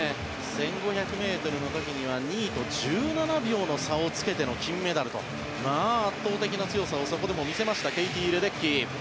１５００ｍの時には２位と１７秒の差をつけての金メダルとまあ、圧倒的な強さをそこでも見せましたケイティ・レデッキー。